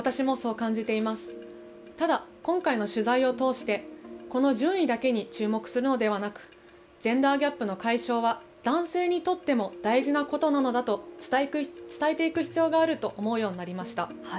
ただ、今回の取材を通してこの順位だけに注目するのではなくジェンダーギャップの解消は男性にとっても大事なことなのだと伝えていく必要があると思うようになりました。